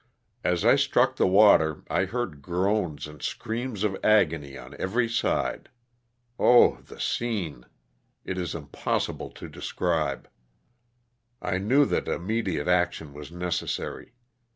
As I struck the water I heard groans and screams of agony on every side. 0, the scenel It is impossible to describe. I knew that im LOSS OF THE SULTAl^A. 253 mediate action was necessary.